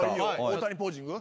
大谷ポージング？